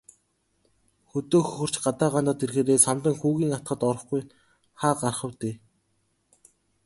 Хөдөө хөхөрч, гадаа гандаад ирэхээрээ Самдан хүүгийн атгад орохгүй хаа гарах вэ дээ.